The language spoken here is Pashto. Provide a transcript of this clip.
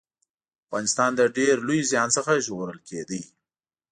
افغانستان له ډېر لوی زيان څخه ژغورل کېده